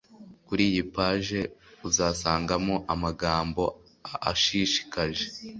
Kuriyi page uzasangamo amagamboashishikaje